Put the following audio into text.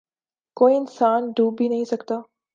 کوئی انسان ڈوب بھی نہیں سکتا